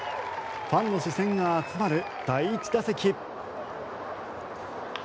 ファンの視線が集まる第１打席。